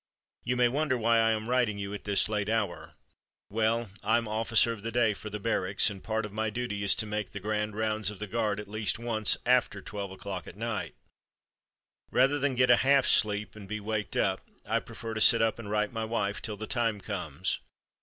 You may wonder why I am writing you at this late hour. Well, I'm 'officer of the day' for the Barracks, and a part of my duty is to make 'the grand rounds' of the guards at least once after twelve o'clock at night. Rather than get a half sleep and be waked up, I prefer to sit up and write my wife till the time comes.